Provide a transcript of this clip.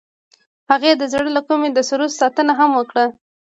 هغې د زړه له کومې د سرود ستاینه هم وکړه.